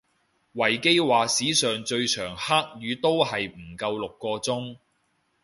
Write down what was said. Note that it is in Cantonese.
維基話史上最長黑雨都係唔夠六個鐘